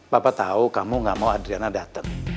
papa tau kamu gak mau adriana dateng